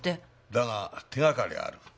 だが手掛かりはある。